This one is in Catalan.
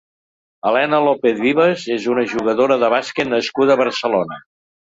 Helena López Vives és una jugadora de bàsquet nascuda a Barcelona.